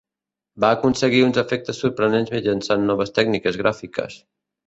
Va aconseguir uns efectes sorprenent mitjançant noves tècniques gràfiques.